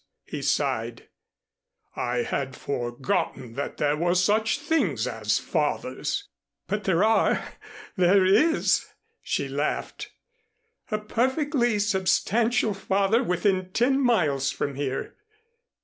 he sighed. "I had forgotten that there were such things as fathers." "But there are there is " she laughed, "a perfectly substantial father within ten miles from here."